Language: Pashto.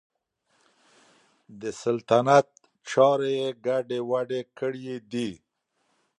د سلطنت چارې یې ګډې وډې کړي دي.